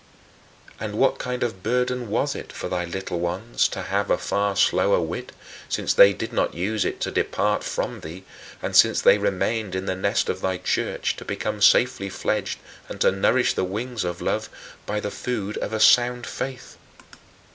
And what kind of burden was it for thy little ones to have a far slower wit, since they did not use it to depart from thee, and since they remained in the nest of thy Church to become safely fledged and to nourish the wings of love by the food of a sound faith.